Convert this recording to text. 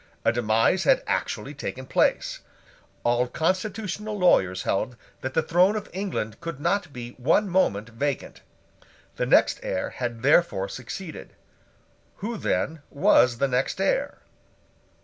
A demise had actually taken place. All constitutional lawyers held that the throne of England could not be one moment vacant. The next heir had therefore succeeded. Who, then, was the next heir?